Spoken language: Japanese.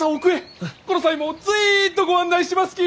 この際もうずいっとご案内しますき！